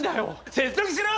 説得しろ！